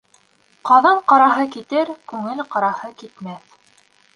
Ҡаҙан ҡараһы китер, күңел ҡараһы китмәҫ.